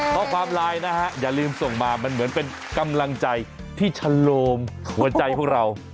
ข้อความไลน์นะฮะอย่าลืมส่งมามันเหมือนเป็นกำลังใจที่ชะโลมหัวใจพวกเรา